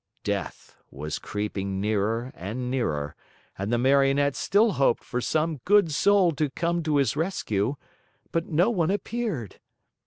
Death was creeping nearer and nearer, and the Marionette still hoped for some good soul to come to his rescue, but no one appeared.